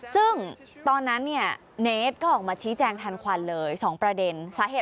ซึ่งตอนนั้นเนทก็ออกมาชี้แจงทันควันเลย๒ประเด็น